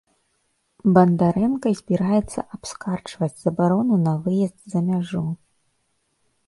Бандарэнка збіраецца абскарджваць забарону на выезд за мяжу.